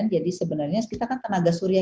jadi sebenarnya kita kan tenaga surya